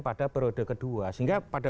pada periode kedua sehingga pada